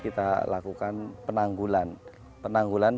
kita lakukan penanggulan